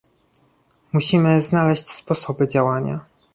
Musimy znaleźć sposoby działania